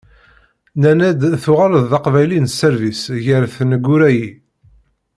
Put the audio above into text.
Nnan-d tuɣaleḍ d Aqbayli n sserbis ɣer tneggura-yi.